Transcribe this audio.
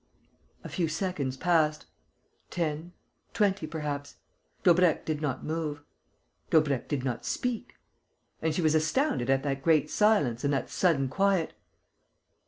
A few seconds passed: ten, twenty perhaps. Daubrecq did not move. Daubrecq did not speak. And she was astounded at that great silence and that sudden quiet.